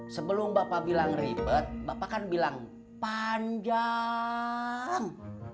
sebelum bapak bilang ribet bapak kan bilang panjang